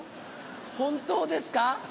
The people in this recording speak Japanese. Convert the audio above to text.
本当ですか？